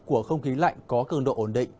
của không khí lạnh có cường độ ổn định